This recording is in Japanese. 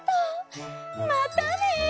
またね。